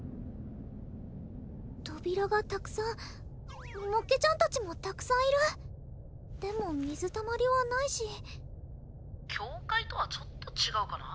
扉がたくさんもっけちゃん達もたくさんいるでも水たまりはないし境界とはちょっと違うかな